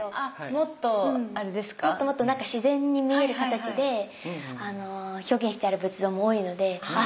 もっともっと何か自然に見える形で表現してある仏像も多いのであ